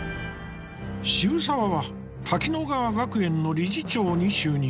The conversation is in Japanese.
渋沢は滝乃川学園の理事長に就任。